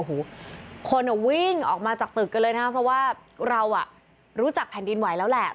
โอ้โหคนวิ่งออกมาจากตึกกันเลยนะครับเพราะว่าเราอ่ะรู้จักแผ่นดินไหวแล้วแหละ